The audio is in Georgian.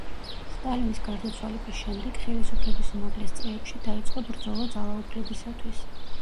სტალინის გარდაცვალების შემდეგ ხელისუფლების უმაღლეს წრეებში დაიწყო ბრძოლა ძალაუფლებისათვის.